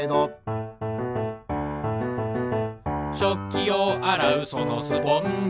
「しょっきをあらうそのスポンジ」